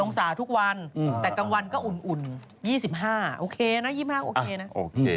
องศาทุกวันแต่กลางวันก็อุ่น๒๕โอเคนะ๒๕โอเคนะโอเค